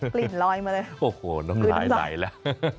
กลิ่นลอยมาเลยโอ้โหน้ำลายไหลแล้ว